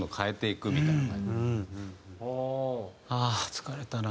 「疲れたな」。